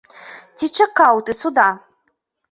Ці чакаў ты суда?